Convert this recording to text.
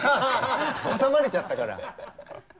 ハハハハ挟まれちゃったから。